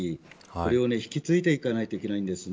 これを引き継いでいかないといけないんです。